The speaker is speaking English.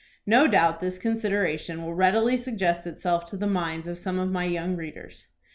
No doubt this consideration will readily suggest itself to the minds of some of my young readers.